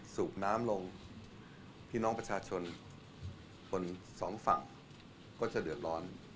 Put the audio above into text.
สูบน้ำลงพี่น้องประชาชนคนสองฝั่งก็จะเดือดร้อน